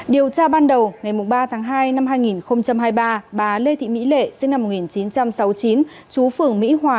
điều tra ban đầu ngày ba tháng hai năm hai nghìn hai mươi ba bà lê thị mỹ lệ sinh năm một nghìn chín trăm sáu mươi chín chú phường mỹ hòa